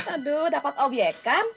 aduh dapat obyekan